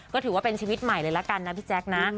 ก็ถือว่าเป็นชีวิตใหม่เลยละกันนะพี่แจ๊คนะ